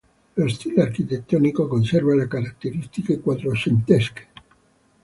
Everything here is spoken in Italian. Lo stile architettonico conserva le caratteristiche quattrocentesche.